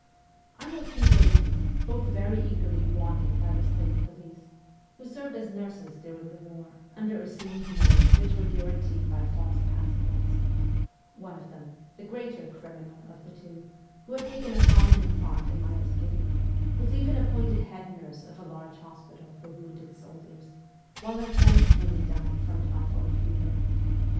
I know two ladies, both very eagerly ' wanted ' by the State police, who served as nurses during the war, under assumed names which were guaranteed by false passports ; one of them, the greater ' criminal ' of the two, who had taken a prominent part in my escape, was even appointed head nurse of a large hospital for wounded soldiers, while her friend nearly died from typhoid fever.